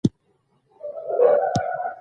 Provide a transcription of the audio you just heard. دا دؤنیا د آخرت توښه ده.